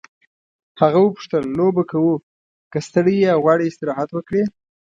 هغه وپوښتل لوبه کوو که ستړی یې او غواړې استراحت وکړې.